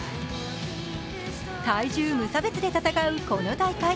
体重無差別で戦うこの大会。